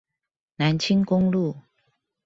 南清公路